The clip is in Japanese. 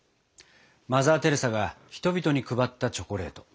マザー・テレサが人々に配ったチョコレート。